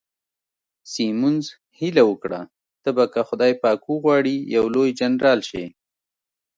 سیمونز هیله وکړه، ته به که خدای پاک وغواړي یو لوی جنرال شې.